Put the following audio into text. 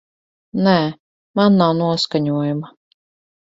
Nē, man nav noskaņojuma.